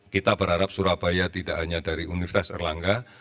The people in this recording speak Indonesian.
kita berharap surabaya tidak hanya dari universitas erlangga